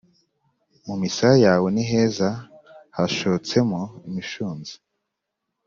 Mu misaya yawe ni heza hashotsemo imishunzi